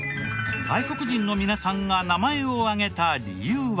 外国人の皆さんが名前を挙げた理由は。